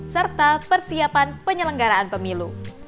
serta persiapan penyelenggaraan pemilu